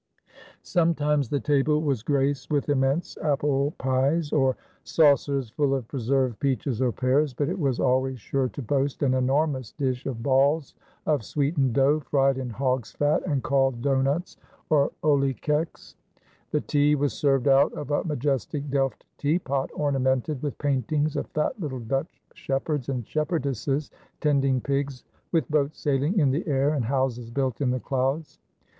Sometimes the table was graced with immense apple pies, or saucers full of preserved peaches or pears; but it was always sure to boast an enormous dish of balls of sweetened dough, fried in hog's fat and called doughnuts or olykoeks.... The tea was served out of a majestic Delft tea pot ornamented with paintings of fat little Dutch shepherds and shepherdesses tending pigs, with boats sailing in the air and houses built in the clouds....